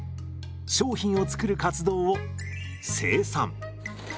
商品を作る活動を生産。